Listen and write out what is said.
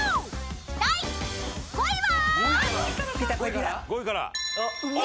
［第５位は］